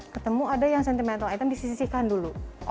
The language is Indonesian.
ketemu ada yang sentimental item disisihkan dulu